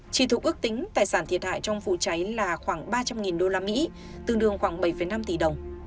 chỉ thuộc ước tính tài sản thiệt hại trong vụ cháy là khoảng ba trăm linh usd tương đương khoảng bảy năm tỷ đồng